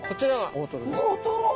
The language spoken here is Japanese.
大トロ！